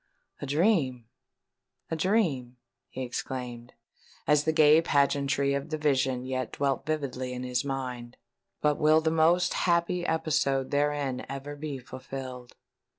"A dream—a dream!" he exclaimed, as the gay pageantry of the vision yet dwelt vividly in his mind: "but will the most happy episode therein ever be fulfilled?"